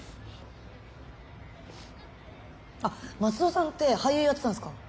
あっ松戸さんって俳優やってたんすか？